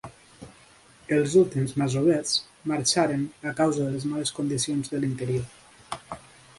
Els últims masovers marxaren a causa de les males condicions de l'interior.